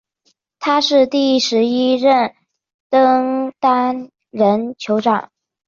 他是第十一任登丹人酋长。